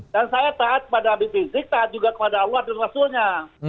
dan saya taat pada abid rizik taat juga kepada allah dan rasulnya